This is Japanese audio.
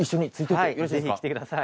はいぜひ来てください。